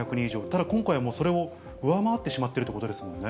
ただ今回、もうそれを上回ってしまっているということですもんね。